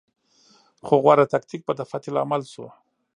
خو غوره تکتیک به د فتحې لامل شو.